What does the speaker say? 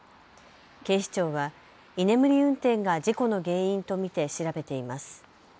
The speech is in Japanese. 警視庁は居眠り運転が事故の原因と見て調べています。